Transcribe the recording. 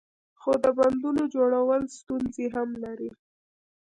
خو د بندونو جوړول ستونزې هم لري.